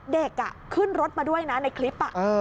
เด็กขึ้นรถมาด้วยนะในคลิป